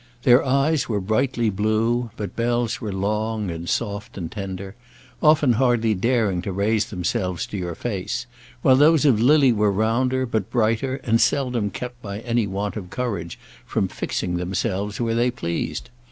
Their eyes were brightly blue; but Bell's were long, and soft, and tender, often hardly daring to raise themselves to your face; while those of Lily were rounder, but brighter, and seldom kept by any want of courage from fixing themselves where they pleased.